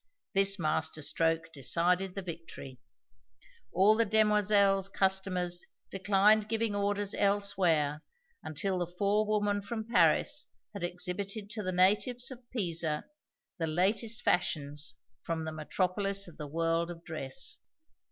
This master stroke decided the victory. All the demoiselle's customers declined giving orders elsewhere until the forewoman from Paris had exhibited to the natives of Pisa the latest fashions from the metropolis of the world of dress.